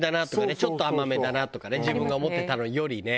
ちょっと甘めだなとかね自分が思ってたのよりね。